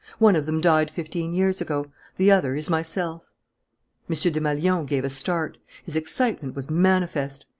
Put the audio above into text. One of them died fifteen years ago; the other is myself." M. Desmalions gave a start. His excitement was manifest.